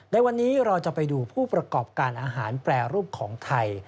ในวันนี้เราจะไปดูผู้ประกอบการอาหารแปรรูปของไทย